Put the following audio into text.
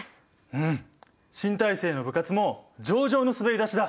うん新体制の部活も上々の滑り出しだ。